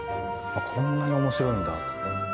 あっこんなに面白いんだって。